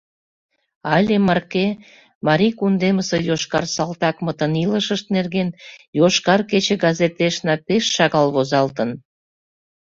Але марке Марий кундемысе йошкар салтакмытын илышышт нерген «Йошкар кече» газетешна пеш шагал возалтын.